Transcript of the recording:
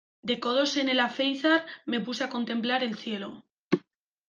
De codos en el alféizar me puse a contemplar el cielo.